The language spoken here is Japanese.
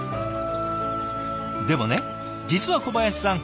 でもね実は小林さん